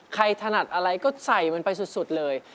ถนัดอะไรก็ใส่มันไปสุดเลย